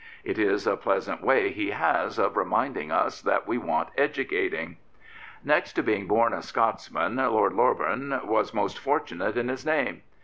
It is a pleasant way he has of reminding us that we want educating. Next to being bora a Scotsman, Lord Loreburn was most fortunate in his name.